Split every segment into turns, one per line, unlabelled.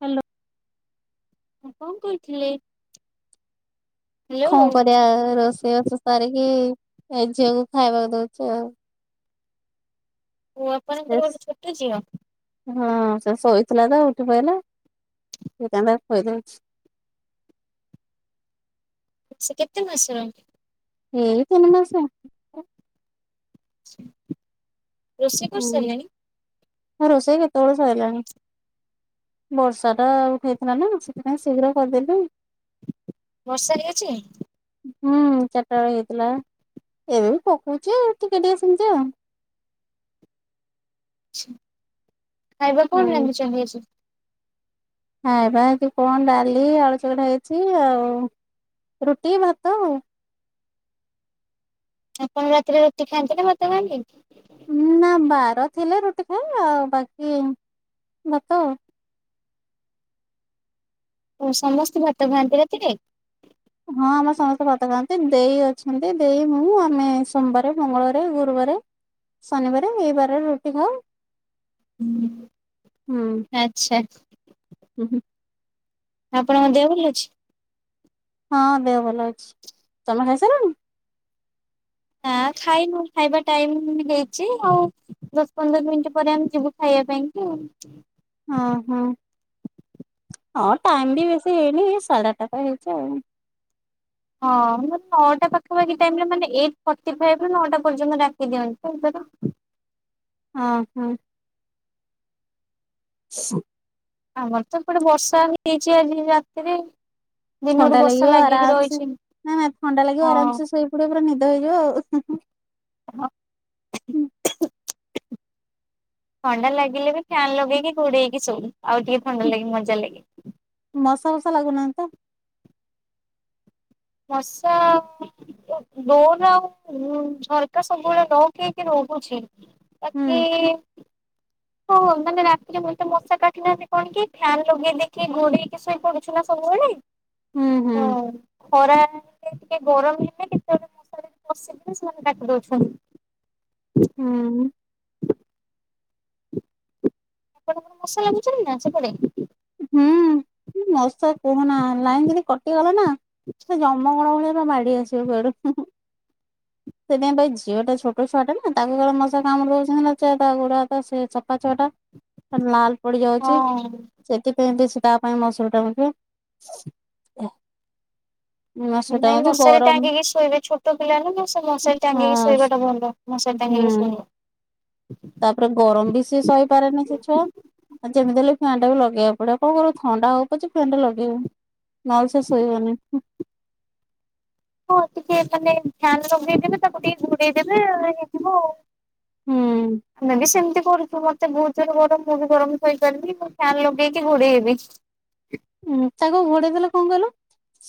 Hello.
କଅଁ କହିଥିଲେ?
ଖଁ କରିବାଆ ରୋଷେଇ ବାସ ସାରିକି ଏ ଝିଅକୁ ଖାଇବାକୁ ଦଉଚି ଆଉ।
ପୁଅପରେ
ସେ
ଆପଣଙ୍କର ଗୋଟେ ଛୋଟ ଝିଅ?
ହଁ ସେ ଶୋଇଥିଲା ତ ଉଠି ପଇଲା ସେଇଥପାଇଁ ତାକୁ ଖୋଇ ଦଉଚ୍ଚି।
ସେ କେତେ ମାସ
ଏଇ ତନ ମାସ।
ରୋଷେଇ କରି ସାରିଲେଣି।
ମୋ ରୋଷେଇ କେତେବେଳୁ ସାରିଲାଣି। ବର୍ଷା ଟା ଉଠଇଥିଲା ନା ସେଥିପାଇଁ ଶୀଘ୍ର କରିଦେଲୁ।
ବର୍ଷା ଟିକେ ଅଛି।
ହୁଁ ଚାରିଟା ବେଳଳେ ହେଇଥିଲା ଏବେ ବି ପକଉଚି ଆଉ ଟିକେ ଟିକେ ସେମିତି ଆଉ।
ଖାଇବାର କଣ
ହୁଁ।
ଲାଗୁଚ ହୋଇଛି।
ଖାଇବା କି କଣ ଡାଲି ଆଳୁଚକଟା ହେଇଛି ଆଉ ରୁଟି ଭାତ ଆଉ।
ଆପଣ ରାତିରେ ରୁଟି ଖାଆନ୍ତି ନା ଭାତ ଖାଁ ନ୍ତି?
ନା ବାର ଥିଲେ ରୁଟି ଖାଏ ଆଉ ବାକି ଭାତ।
ଓ ସମସ୍ତେ ଭାତ ଖାଆନ୍ତି ରାତି ରେ?
ହଁ ଆମର ସମସ୍ତେ ଭାତ ଖାଆନ୍ତି ଦେଇ ଅଛନ୍ତି ଦେଇ ମୁଁ ଆମେ ସୋମବାରେ ମଙ୍ଗଳବାରେ ଗୁରୁବାରେ ଶନିବାରେ ଏଇ ବାରରେ ରୁଟି ଖାଉ।
ହୁଁ
ହୁଁ
ଆଚ୍ଛା।
ହୁଁ ହୁଁ।
ଆପଣଙ୍କ ଦେହ ଭଲ ଅଛି?
ହଁ ଦେହ ଭଲ ଅଛି, ତମେ ଖାଇସାରିଲଣି?
ନାଁ ଖାଇନୁ ଖାଇବା ଟାଇମ ହେଇଛି ଆଉ। ଦଶ ପନ୍ଦର ମିନିଟି ପରେ ଆମେ ଯିବୁ ଖାଇବା ପାଇଁ କି ଆଉ।
ହଁ ହଁ ହଁ ଟାଇମ ବି ବେଶୀ ହେଇନି ଏଇ ସାଢେ ଆଠଟା ତ ହେଇଛି ଆଉ।
ହଁ ମାନେ ନଅଟା ପାଖାପାଖି ଟାଇମରେ ମାନେ ଏଇଟଫଟିଫାଇଭ ରୁ ନଅଟା ପର୍ଯ୍ୟନ୍ତ ଡାକିଦିଅନ୍ତି
ଅ ହଁ। [unintelligible]
ଆମର ତ ଏପଟେ ବର୍ଷା ହେଯାଇଛି ଆଜି ରାତିରେ ଦିନରୁ
ଥଣ୍ଡା
ବର୍ଷା
ଲାଗିବ
ଲାଗିକି
ଆରାମସେ
ରହିଛି
ନା ନା ଥଣ୍ଡା ଲାଗିବ
ହଁ।
ଆରାମସେ ଶୋଇପଡିବ ପୁରା ନିଦ ହେଇଯିବ ଆଉ
ହଁ ଥଣ୍ଡା ଲାଗିଲେ ବି ଫ୍ୟାନ୍ ଲଗେଇକି ଘୋଡେଇକି ଶୋଉ ଆଉ ଟିକେ ଥଣ୍ଡା ଲାଗେ ମଜା ଲାଗେ।
ମଶା ବସା ଲାଗୁନାହାନ୍ତି ତ?
ମସା ଡୋର ଆଉ ଉଁ ଝରକା ସବୁବେଳେ ଲକ ହେଇକି ରହୁଛି
ହୁଁ
ବାକି ହଁ ହଁ ମାନେ ରାତିରେ ମତେ ମଶା କାଟୁନାହାଁନ୍ତି କଣକି ଫ୍ୟାନ୍ ଲଗେଇଦେଇକି ଘୋଡ଼େଇକି ସୋଇ ପଡୁଛୁ ନା ସବୁବେଳେ
ହୁଁ ହୁଁ
ହଁ। ଖରା ହେଲେ ଟିକେ ଗରମ ହେଲେ କେତେବେଳେ ମସାରିରେ ପଶିକିରି ସେମାନେ କାଟି ଦଉଛନ୍ତି।
ହୁଁ।
[inaudible] ଆପଣଙ୍କର ମସା ଲାଗୁଛନ୍ତି ନା ସେପଟେ?
ହୁଁ କି ମଶା କୁହନା ଲାଇନ ଯଦି କଟିଗଲା ନା
[inaudible]
ସେ ଜମଗଣ ଭଳିଆ ପା ମାଡି ଆସିବେ କୁଆଡୁ ସେଇଥିପାଇଁ ତ ଏଇ ଝିଅ ଟା ଛୋଟ ଛୁଆଟା ନା ତାକୁ କାଳେ ମଶା କାମୁଡି ଦଉଛନ୍ତି ନା ସେ ତା ଗୋଡା ହାତ ସେ ଛୋଟ ଛୁଆଟା। ଖାଲି ଲାଲ ପଡି ଯାଉଛି।
ହଁ।
ସେଥିପାଇଁ ସେ ତା ପାଇଁ ମସୁରି ଟାଣୁଚୁ।
ନାଇଁ ମଶାରି
ଗରମ
ଟାଙ୍ଗିକି ଶୋଇବେ ଛୋଟ ଛୋଟ ପିଲାଟାନା ସେ ମଶାରି ଟାଙ୍ଗିକି
ହଁ
ଶୋଇବାଟା ଭଲ ମଶାରୀ ଟାଙ୍ଗିକି
ହୁଁ
ଶୋଇବ।
ତାପରେ ଗରମ ବି ସେ ସହିପାରେନି ସେ ଛୁଆ। ହଁ ଯେମିତି ହେଲେ ଫ୍ୟାନଟାକୁ ବି ଲଗେଇବାକୁ ପଡିବ କଣ କରିବ ଥଣ୍ଡା ହଉ ପଛେ ଫ୍ୟାନଟା ଲଗେଇବ ନହେଲେ ସେ ଶୋଇବନି।
ହଁ ଟିକିଏ ମାନେ ଫ୍ୟାନ ଲଗେଇଦେଲେ ତାକୁ ଟିକେ ଘୋଡେଇଦେଲେ ହେଇଯିବ ଆଉ
ହୁଁ
ମାନେ ସେମିତି କରୁଛି ବା। ମତେ ବହୁତ ଯୋରରେ ଗରମ ମୁଁ ବି ଗରମ ଶଇପାରେନି ମୁଁ ଫ୍ୟାନ ଲଗେଇକି ଘୋଡେଇହେବି।
ଉୁଁ ତାକୁ ଘୋଡେଇ ଦେଲେ କଣ କହିଲ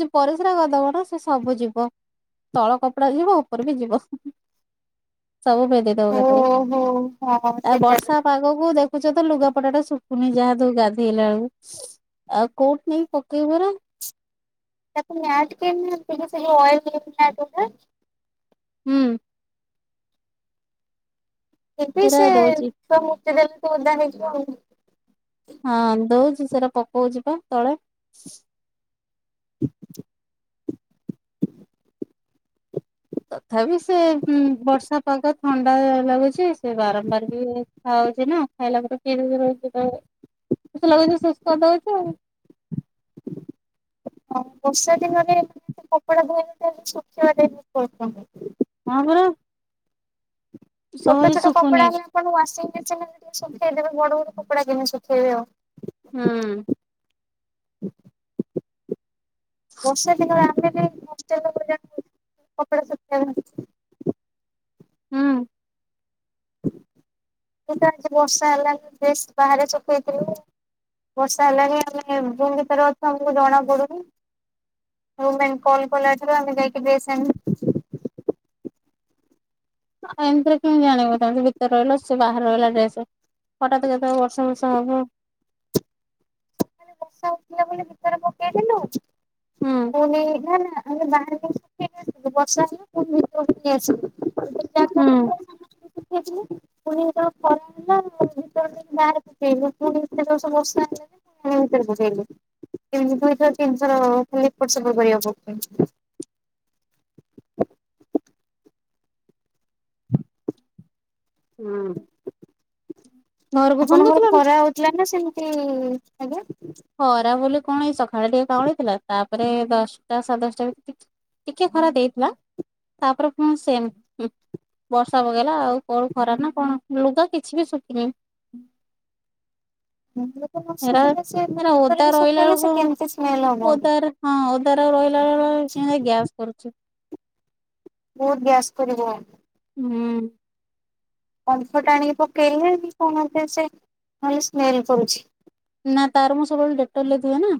ସେ ପରିସ୍ରା କରିଦବ ତ ସେ ସବୁ ଯିବ। ତଳ କପଡା ଯିବ ଉପର ବି ଯିବ ସବୁ ଭେଦି ଦବ ଏକାଥରେ
ଓହୋ ହଁ
ଆଉ
ସେଟା
ବର୍ଷା ପାଗକୁ ଦେଖୁଛ ତ ଲୁଗାପଟା ଟା ଶୁଖୁନି ଯାହା ତୁ ଗାଧେଇଲା ବେଳକୁ। ଆଉ କୋଉଠି ନେଇ ପକେଇବୁଏରା
ତାକୁ ମ୍ୟାଟ କିଣିଦିଅନ୍ତୁ ସେ ଯୋଉ ଅଏଲ ୱାଲା ମ୍ୟାଟ ରୁହେ
ହୁଁ।
କିନ୍ତୁ
ସେରା
ସେ
ଦଉଛି।
ତ ମୂତି ଦେଲେ ତ ଓଦା ହେଇଯିବ ଆଉ
ହଁ ଦଉଛି ସେଟା ପକଉଛି ପା ତଳେ।
[inaudible]
ତଥାପି ସେ ହୁଁ ବର୍ଷା ପାଗ ଥଣ୍ଡା ଲାଗୁଛି ସିଏ ବାରମ୍ବାର ବି ଉଠା ହଉଛି ନା। ଖାଇଲା ପରେ [unintelligible] ରହିଛି ତଳେ ମୋତେ ତ ଲାଗୁଚି ସୁସ୍ଥ ତ ଅଛି ଆଉ।
ହ ହଁ ବର୍ଷା ଦିନରେ ମାନେ ସେ କପଡା ଧୋଇଲେ ଟାଇମ୍ ଲାଗୁଚି ଶୁଖିବା ପାଇଁ ଟାଇମ୍ ବହୁତ୍ [unintelligible]
ହଁ ପରା।
ଛୋଟ
ସହଜେ
ଛୋଟ
ଶୁଖୁନି
କପଡ଼ାଗୁରା ଆପଣଙ୍କ ୱାସିଂଙ୍ଗ୍ ମେସିନରେ ନ ହେଲେ ଟିକେ ଶୁଖେଇଦେବେ। ବଡ଼ ବଡ଼ କପଡ଼ା କେମିତି ଶୁଖେଇବି ଆଉ?
ହୁଁ।
ବର୍ଷା ଦିନରେ ଆମେ ବି ହଷ୍ଟେଲ ଭଳିଆ [unintelligible] କପଡା ଶୁଖେଇବା ପାଇଁ [unintelligible]
ହୁଁ।
କିନ୍ତୁ ଆଜି ବର୍ଷା ହେଲାକୁ ଡ୍ରେସ୍ ବାହାରେ ଶୁଖେଇଥିଲୁ ଆଉ। ବର୍ଷା ହେଲାଣିି ଆମେ ରୁମ୍ ଭିତରେ ଅଛୁ ଆମକୁ ଜଣା ପଡୁନି ରୁମମେଟ୍ କଲ କଲା ଠାରୁ ଆମେ ଯାଇକି ଡ୍ରେସ୍ ଆଣିଲୁ।
ଆଉ ଏମିତିରେ କେମତି ଜାଣିବୁ ତମେ ସବୁ ଭିତରେ ରହିଲ ସେ ବାହାରେ ରହିଲା ଡ୍ରେସ୍ ହଠାତ୍ କେତେବେଳେ ବର୍ଷା ଫର୍ଷା ହବ
ମୁଁ ଖାଲି ବର୍ଷା ଉଠେଇବ ବୋଲି ଭିତରେ ପକେଇଦେଲୁ
ହୁଁ
ପୁଣି ନା ନା ଆମ ବାହାରେ ଯୋଉ ଶୁଖେଇକି ଆସିଥିଲୁ ବର୍ଷା ହେଲା ପୁଣି ଭିତରକୁ ନେଇ ଆସିଲୁ।
ହୁଁ
[unintelligible] ପୁଣି ତ ଖରା ହେଲା ଭିତରେ ନେଇକି ବାହାରେ ପକେଇଲୁ ପୁଣି ଏତେ ଜୋରସେ ବର୍ଷା ହେଲା ଯେ ପୁଣି ଥରେ ବୁଝେଇଲି ତିନିଥର [unintelligible] ତିନିଥର ଖାଲି ଏଇପଟ ସେପଟ କରିବାକୁ କହୁଛନ୍ତି।
ହୁଁ। ଘରକୁ ଫୋନ
ଆପଣଙ୍କର
କରିଥିଲ ନା?
ଖରା ହଉଥିଲା ନା ସେମିତି ଆଜ୍ଞା
ଖରା ବୋଲି କଣ ଏଇ ସଖାଳେ ଟିକେ କଅଁଳିଥିଲା ତା ତାପରେ ଦଶଟା ସାଢ଼େ ଦଶଟା ଭିତରେ ଟିକ୍ ଟିକେ ଖରା ଦେଇଥିଲା ତାପରେ ପୁଣ ସେମ୍ ହୁଁ ବର୍ଷା ପକେଇଲା ଆଉ କୋଉ ଖରା ନା କଣ ଲୁଗା କିଛି ବି ଶୁଖିନି।
ଏମିତିରେ ନ ଶୁଖିଲେ ସେ
ମାନେ
ରୁମ୍ ଭିତରେ
ଓଦା
ବି
ରହିଲା
ଶୁଖେଇଲେ ସେ କେମିତି ସ୍ମେଲ ହବ।
ବେଳକୁ ଓଦାରେ ହଁ ଓଦାରେ ଆଉ ରହିଲା [unintelligible] ମାନେ ଗ୍ୟାସ୍ କରୁଛି
ବହୁତ ଗ୍ୟାସ କରିବ।
ହୁଁ।
କମ୍ଫର୍ଟ ଆଣିକି ପକେଇଲେ ବି କଣ ଏମିତି ସେ ନ ହେଲେ ସ୍ମେଲ କରୁଛି।
ନା ତାର ମୁଁ ସବୁବେଳେ ଡେକ୍ଟଲ୍ ରେଧୁଏ ନା!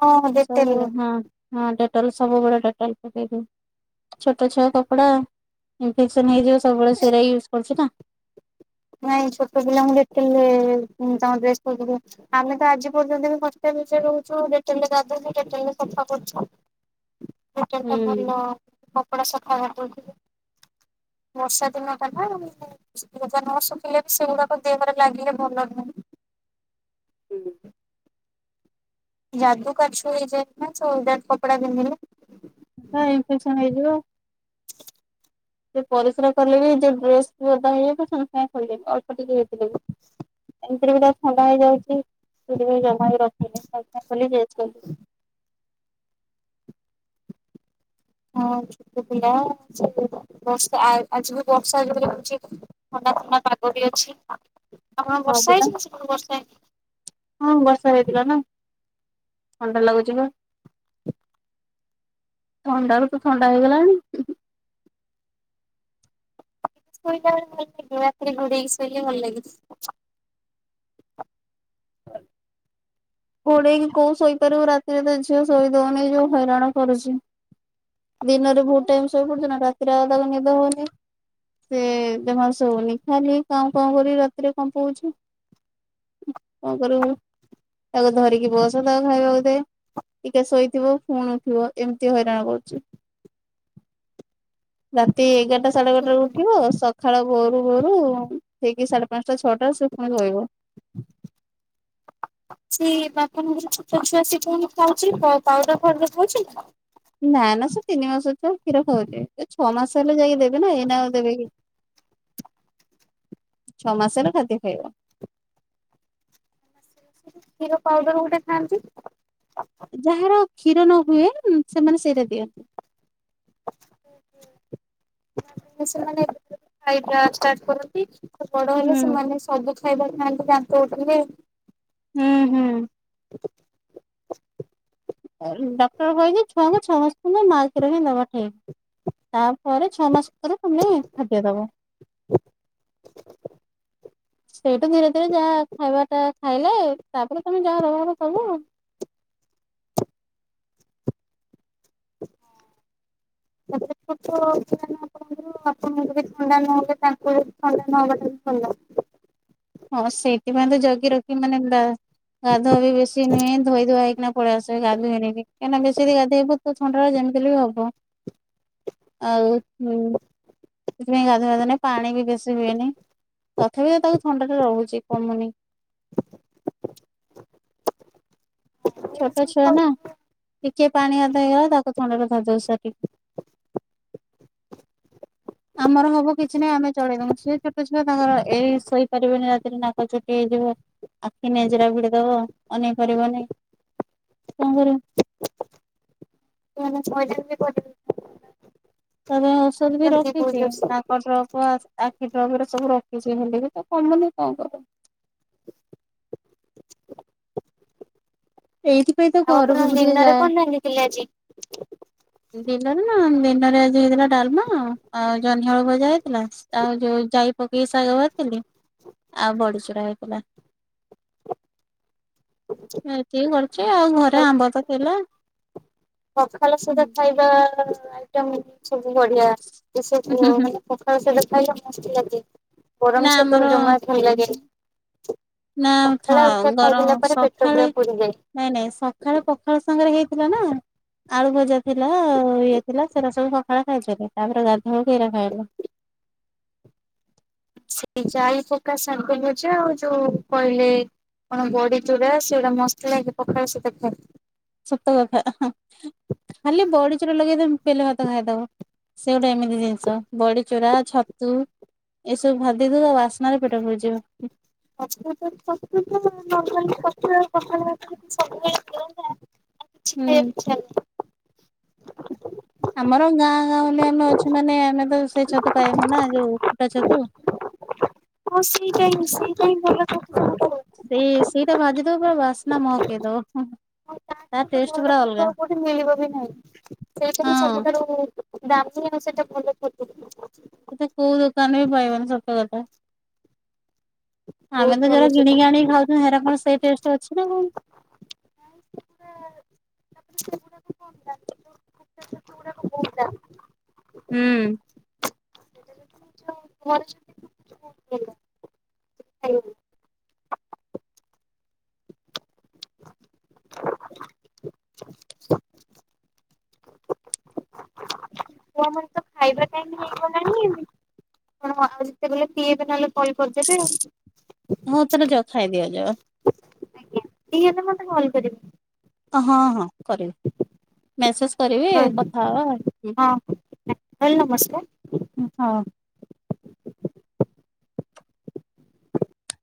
ହଁ ଡେଟେଲ
ସବୁ
ରେ
ହଁ। ହଁ ଡେକ୍ଟଲ୍ ସବୁବେଳେ ଡେକ୍ଟଲ୍ ପକେଇକି ଛୋଟ ଛୁଆ କପଡା ଇନଫେକ୍ସନ୍ ହେଇଯିବ ସବୁବେଳେ ସେଇରା ୟୁଜ୍ କରୁଛୁ ନା!
ନାଇଁ ଛୋଟ ପିଲାଙ୍କୁ ଡେଟଲ୍ ରେ ମୁଁ ତାଙ୍କର ଡ୍ରେସ୍ ପତ୍ର ଧୁଏ। ଆମେ ତ ଆଜି ପର୍ଯ୍ୟନ୍ତ ବି ହଷ୍ଟେଲ ଭିତରେ ରହୁଛୁ ଡେଟଲ୍ ରେ ଗାଧୋଉଚୁ ଡେଟଲ ରେ ସଫା କରୁଛୁ। ଡେଟଲ ଟା ଭଲ। କପଡା ସଫା କରି ଦଉଥିବେ ବର୍ଷା ଦିନ ଗଲା ଆଉ [unintelligible] [unintelligible] ନ ଶୁଖିଲେ ବି ସେଗୁଡାକ ଦେହରେ ଲାଗିଲେ ଭଲ ନୁହଁ।
ହୁଁ।
ଯାଦୁ କାଛୁ ହେଇଯାଏ ନା ସେ ଓଦା କପଡ଼ା ପିନ୍ଧିଲେ?
ହଁ ଇନ୍ଫେକ୍ସନ୍ ହେଇଯିବ। ସେ ପରିସ୍ରା କଲେ ବି ନିଜ ଡ୍ରେସ ପୁରା ଓଦା ହେଇଯାଇଥିବ ସେ ପୁଣି କଣ କରିବେ? ଅ [unintelligible] ସେରା ଥଣ୍ଡା ହେଇଯାଉଛି ସେଥିପାଇଁ ଜମାରୁ ରଖୁନି [unintelligible]
[inaudible] ହଁ ଛୋଟ ପିଲା ବର୍ଷା ଆଜି ବି ବର୍ଷା ଜୋରେ ହଉଛି ଥଣ୍ଡା ଥଣ୍ଡା ପାଗ ବି ଅଛି ଆପଣ
ହଁ
ବର୍ଷା
ପରା
ହେଇଛି ସେପଟେ ବର୍ଷା ହେଇନି?
ହଁ ବର୍ଷା ହେଇଥିଲା ନା ଥଣ୍ଡା ଲାଗୁଛି ବା। ଥଣ୍ଡା ରୁ ତ ଥଣ୍ଡା ହେଇଗଲାଣି।
ଶୋଇଲା ବଳେ ଭଲସେ [unintelligible] ରାତିରେ ଘୋଡ଼େଇକି ଶୋଇଲେ ଭଲ ଲାଗେ।
[inaudible] ଘୋଡ଼େଇକି କୋଉ ଶୋଇପାରିବୁ ରାତିରେ ତ ଝିଅ ଶୋଇ ଦଉନି ଯୋଉ ହଇରାଣ କରୁଛି ଦିନରେ ବହୁତ ଟାଇମ୍ ଶୋଇ ପଡ଼ୁଛି ନା ରାତିରେ ଆଉ ତାକୁ ନିଦ ହଉନି ସେ ଜମା ସଉନି ଖାଲି କାଉଁ କାଉଁ କରିକି ରାତିରେ କମ୍ପଉଛି। କ କରିବୁ ତାକୁ ଧରିକି ବସ ତାକୁ ଖାଇବାକୁ ଦେ ଟିକେ ଶୋଇଥିବ ପୁଣି ଉଠିବ ଏମିତି ହଇରାଣ କରୁଛି। ରାତି ଏଗାରଟା ସାଢ଼େ ଗୋଟାରୁ
ଲାଗେ।
ଉଠିବ ସଖାଳ ଭୋରୁ ଭୋରୁ ହେଇକି ସାଢ଼େ ପାଞ୍ଚଟା ଛ ଟା ରୁ ପୁଣି ସୋଇବ।
ସେ ବାପଣଙ୍କର ଛୋଟ ଛୁଆ ସିଏ କଣ ଖାଉଛି ପାଉଡର୍ ଫାଉଡର୍ ଖାଉଛି?
ନା ନା ସେ ତିନି ମାସ ଛୁଆ କ୍ଷୀର ଖାଉଛି ଏ ଛଅ ମାସ ହେଲେ ଯାଇକି ଦେବି ନା ଏଇନା ଆଉ ଦେବି କି
[inaudible]
ଛଅ ମାସରେ ଖାଦ୍ୟ ଖାଇବ।
କ୍ଷୀର ପାଉଡର ଗୋଟେ ଥାଆନ୍ତି?
ଯାହାର କ୍ଷୀର ନ ହୁଏ ସେମାନେ ସେଇଟା ଦିଅନ୍ତି।
ସେମାନେ ଖାଇବା ଷ୍ଟାର୍ଟ କରନ୍ତି ବଡ଼ ହେଲେ
ହୁଁ
ସେମାନେ ସବୁ ଖାଇବା ଖାଆନ୍ତି ଦାନ୍ତ ଉଠିଲେ।
ହୁଁ ହୁଁ। ଡକ୍ଟର କହିିଛି ଛୁଆଙ୍କୁ ଛ ମାସ ପର୍ଯ୍ୟନ୍ତ ମା କ୍ଷୀର ହିଁ ଦବା ଠିକ୍। ତାପରେ ଛଅ ମାସ ପରେ ତମେ ଖାଦ୍ୟ ଦବ। ସେଇଠୁ ଧୀରେ ଧୀରେ ଯାହା ଖାଇବାଟା ଖାଇଲେ ତାପରେ ତମେ ଯାହା ଦବା କଥା ଦବ ଆଉ।
ତାପରେ ଛୋଟ ଛୁଆ ନା ଆପଣଙ୍କୁ ଆପଣଙ୍କୁ ବି ଥଣ୍ଡା ନହେଲେ ତାଙ୍କୁ ବି ଥଣ୍ଡା ନହବାଟା ହିଁ ଭଲ।
ହଁ ସେଇଥିପାଇଁ ତ ଜଗି ରଖି ମାନେ ଗାଧ ବି ବେଶୀ ନୁହେଁ ଧୋଇ ଧୁଆ ହେଇକିନା ପଳେଇ ଆସିବେ ଗାଧୋଇନି କହିଁକି ନା ବେଶୀ ଯଦି ଗାଧୋଇବି ଥଣ୍ଡା ଯେମିତିହେଲେ ବି ହବ।
[inaudible]
ଆଉ ହୁ ସେଥିପାଇଁ ଗାଧୁଆ ଧୁଆ ନାହିଁ ପାଣି ବି ବେଶୀ ହୁଏନି ତଥାପି ତ ତାକୁ ଥଣ୍ଡାରେ ରହୁଛି କମୁନି ଛୋଟ ଛୁଆ ନା। ଟିକେ ପାଣି ହାତ ହେଇଗଲା ତାକୁ ଥଣ୍ଡା ଟା ଧରି ଦଉଛି [unintelligible] ଆମର ହବ କିଛି ନାହିଁ ଆମେ ଚଳେଇଦମୁ। ସିଏ ଛୋଟ ଛୁଆ ତାଙ୍କର ଏଇ ଶୋଇପାରିବେନି ରାତିରେ ନାକ ଚୁଟି ହେଇଯିବ। ଆଖି ନେଜେରା ଭିଡ଼ି ଦବ ଅନେଇ ପାରିବନି। କଣ କରିବୁ?
[unintelligible]
ତା ପାଇଁ ଔଷଧ ବି ରଖିଛି।
କରିବେ।
ନା କ ଡ୍ରପ ଆଖି ଡ୍ରପ ରା ସବୁ ରଖିଛି ହେଲେ ବି ତ କମୁନି କଣ କରିବା ଏଇଥିପାଇଁ ତ ଘରକୁ ବି ଟିକେ ଯାଏ
କହିଥିଲି ଆଜି।
ଦିନରେ ନା ଦିନରେ ଆଜି ହେଇଥିଲା ଡାଲମା ଆଉ ଜହ୍ନିଆଳୁ ଭଜା ହେଇଥିଲା। ଆଉ ଯୋଉ ଯାଇ ପକେଇକି ଶାଗ ଭାଜିଥିଲି ଆଉ ବଡ଼ି ଚୁରା ହେଇଥିଲା।
[inaudible]
ଏତିିକି କରୁଛି ଆଉ। ଘରେ ଆମ୍ବ ତ ଥିଲା
ପଖାଲ ସୁଧା ଖାଇବା ଆଇଟମ୍ ସବୁ ବଢ଼ିଆ। ଏ ସବୁ ମାନେ ପାଖାଳ ସହିତ ଖାଇଲେ ମସ୍ତ ଲାଗେ।
ନା
ଗରମ ସହିତ
ଆମର
ବି ଜମାର ଭଲ ଲାଗେନି।
ନା
ପଖାଳ
ଥାଉ
ହେରିକା
ଗରମ
ଖାଇଦେଲା ପରେ ପେଟ
ସକାଳେ
ପୁରା ପୁରିଯାଏ।
ନାଇଁ ନାଇଁ ସକାଳ ପଖାଳ ସାଙ୍ଗରେ ହେଇଥିଲା ନା। ଆଳୁ ଭଜା ଥିଲା ଇଏ ଥିଲା ସେଟା ସବୁ ସଖାଳେ ଖାଇଥିଲୁ। ତାପରେ ଗାଧୁଆ ପରେ ଏରା ଖାଇଥିଲେ
ଯାଇ ପକା ସାଗଭଜା ଆଉ ଯୋଉ କହିଲେ କଣ ବଡି ଚୁଡ଼ା ସେଗୁଡା ମସ୍ତ ଲାଗେ ପଖାଳ ସହିତ ଖାଇଲେ।
ସତକଥା। ଖାଲି ବଡିଚୁରା ଲଗେଇକି ବେଲେ ଭାତ ଖାଇଦବ। ସେ ଗୋଟେ ଏମିତି ଜିନିଷ ବଡି ଚୁରା ଛତୁ ଏସବୁ ଭାଜି ଦେଇଦବ ଆଉ ବାସ୍ନା ରେ ପେଟ ଫୁଡିଯିବ
ଆ ତ ପତ ତ ମଙ୍ଗଲି ପତ୍ର କଖ ସବୁ ହେଇ ଆ କିଛି ଖାଇବାକୁ
ହୁଁ
ଇଛା ହେଲାନି
ଆମର ଗାଁ ଗାଁ ବୁଲି ଆମେ ଅଛୁ ମାନେ ଆମେ ତ ସେଇ ଛତୁ ପାଇବୁ ନା ଯୋଉ ଫୁଟା ଛତୁ
ହଁ ସେଇଟାହିଁ ସେଇଟାହିଁ ଭଲ ଚତୁ
ସେଇ ସେଇଟା ଭାଜି ଦବ ପୁରା ବାସ୍ନା ମହକେଇ ଦବ
ଆଉ ତାଠାରୁ
ତା
ତ ଭଲ
ଟେଷ୍ଟ ପୁରା
ଛତୁ ଆଉ
ଅଲଗା
କୋଉଠି ମିଳିବ ବି ନାହିଁ ସେଇଟାହିଁ
ହଁ।
ସବୁଠାରୁ ଦାମି ଆଉ ସେଇଟା ଭଲ
କୋଉ ଦୋକାନରେ ବି ପାଇବନି ସତ କଥା ଆମେ ତ
ବହୁତ ଭଲ
ଯୋରା କିଣି
ସେଟା।
ଆଣିକି ଖାଉଛ ହେରା କଣ ସେଇ ଟେଷ୍ଟ ଅଛି ନା କଣ ହୁଁ
ଘର ଛୁଆମାନେ ତ ଖାଇବା ପାଇଁ ଟାଇମ୍ ହେଇଗଲାଣି ଆଣ ଯେତେବେଲେ ପିଇବେ ନହେଲେ କରି କରିଦେବେ ଆଉ
ହଁ ତାହା ହେଲେ ଯ ଖାଇଦିଅ ଯ
ଆଉ। ଫ୍ରି ହେଲେ ମତେ କଲ୍ କରିବି
ହଁ ହଁ କରିବି ମେସେଜ କରିବି
ହଁ
କଥା ହବା ହଁ
ହଁ ରହିଲି ନମସ୍କାର।
ହଁ